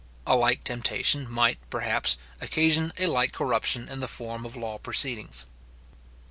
A like temptation might, perhaps, occasion a like corruption in the form of law proceedings.